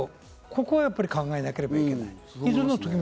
ここはやっぱり考えなければいけない。